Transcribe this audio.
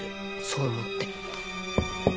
そう思って。